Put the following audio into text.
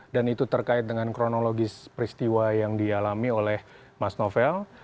dan itu terkait dengan kronologis peristiwa yang dialami oleh mas novel